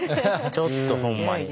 ちょっとほんまに。